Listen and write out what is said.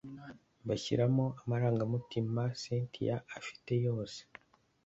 bashyiramo amarangamutima cyntia afite yose